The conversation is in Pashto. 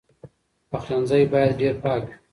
پخلنځی باید ډېر پاک وي.